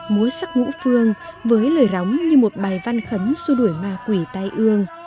múa sắc ngũ phương với lời róng như một bài văn khấn xua đuổi ma quỷ tai ương